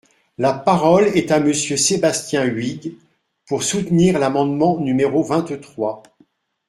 La parole est à Monsieur Sébastien Huyghe, pour soutenir l’amendement numéro vingt-trois.